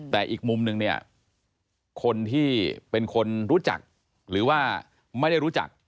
แต่อีกมุมนึงเนี่ยคนที่เป็นคนรู้จักหรือว่าไม่ได้รู้จัก